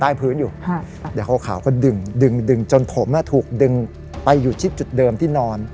พื้นอยู่เดี๋ยวขาวก็ดึงดึงจนผมถูกดึงไปอยู่ที่จุดเดิมที่นอน